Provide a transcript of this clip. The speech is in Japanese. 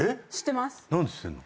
何で知ってるの？